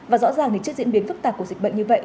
và rõ ràng trước diễn biến phức tạp của dịch bệnh như vậy